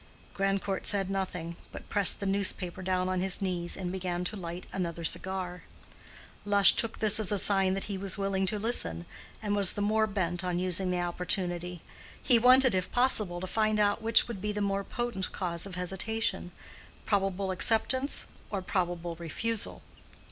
Grandcourt said nothing, but pressed the newspaper down on his knees and began to light another cigar. Lush took this as a sign that he was willing to listen, and was the more bent on using the opportunity; he wanted, if possible, to find out which would be the more potent cause of hesitation—probable acceptance or probable refusal.